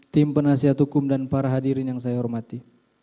tim penasihat hukum dan para hadirin yang saya hormati